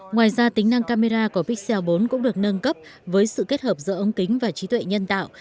ngoài ra tính năng camera của pixel bốn cũng được nâng cấp với sự kết hợp giữa ống kính và trí tuệ nhân tạo